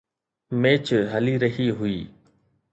Match هلي رهي هئي.